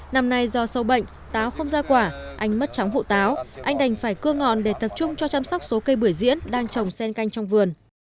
năm nay do sâu bệnh táo không ra quả anh mất trắng vụ táo anh đành phải cưa ngọt để tập trung cho chăm sóc số cây bưởi diễn đang trồng sen canh trong vườn